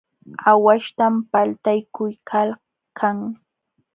Aawaśhtam paltaykuykalkan.